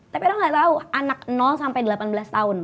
tapi orang gak tau anak delapan belas tahun